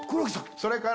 それから。